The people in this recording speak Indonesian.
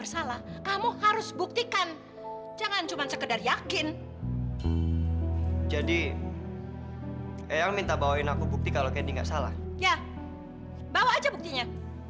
sampai jumpa di video selanjutnya